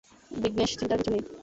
বিঘ্নেশ, চিন্তার কিছু নেই।